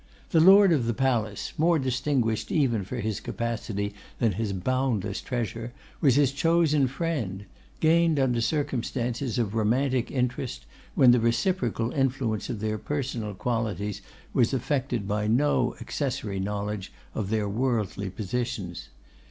The lord of the palace, more distinguished even for his capacity than his boundless treasure, was his chosen friend; gained under circumstances of romantic interest, when the reciprocal influence of their personal qualities was affected by no accessory knowledge of their worldly positions.